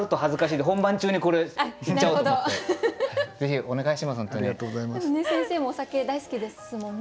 でも先生もお酒大好きですもんね。